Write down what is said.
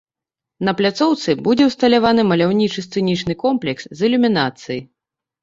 На пляцоўцы будзе ўсталяваны маляўнічы сцэнічны комплекс з ілюмінацыяй.